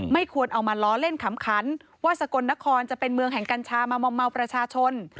ไม่ควรเอามาล้อเล่นขำขันว่าสกลนครจะเป็นเมืองแห่งกัญชามามอมเมาประชาชน